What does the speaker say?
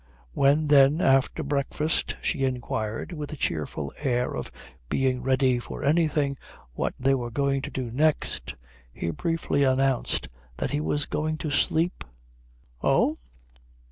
When then after breakfast she inquired, with a cheerful air of being ready for anything, what they were going to do next, he briefly announced that he was going to sleep. "Oh?